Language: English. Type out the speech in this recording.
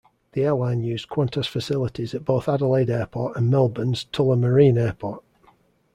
The airline used Qantas facilities at both Adelaide airport and Melbourne's Tullamarine airport.